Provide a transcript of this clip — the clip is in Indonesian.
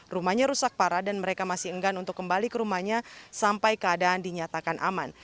rumahnya rusak parah dan mereka masih enggan untuk kembali ke rumahnya sampai keadaan dinyatakan aman